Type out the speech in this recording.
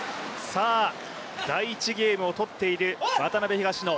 第１ゲームを取っている渡辺・東野。